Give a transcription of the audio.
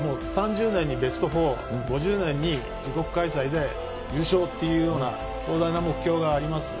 ２０３０年にベスト４２０５０年に自国開催で優勝というような壮大な目標があります。